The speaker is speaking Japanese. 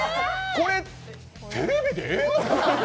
これテレビでええのか？